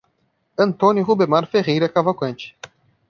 Antônio Rubemar Ferreira Cavalcante